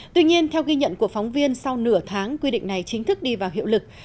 tuy nhiên theo ghi nhận của phóng viên sau nửa tháng quy định này chính thức đi vào hiệu lực